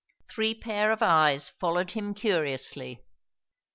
Three pair of eyes followed him curiously.